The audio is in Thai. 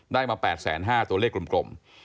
ได้มา๘๕๐๐ตัวเลขกลม